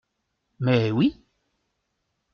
Mais oui !